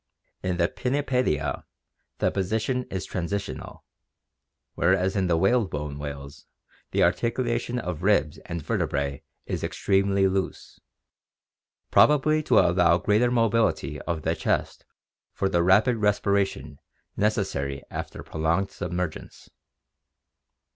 In the Pin nipedia the position is transitional, whereas in the whalebone AQUATIC ADAPTATION 325 whales the articulation of ribs and vertebrae is extremely loose, probably to allow great mobility of the chest for the rapid respira tion necessary after prolonged submergence.